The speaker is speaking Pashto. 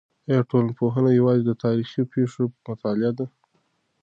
آیا ټولنپوهنه یوازې د تاریخي پېښو مطالعه ده؟